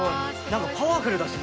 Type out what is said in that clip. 何かパワフルだしね。